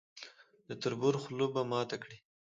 د تربور خوله به ماته کړي.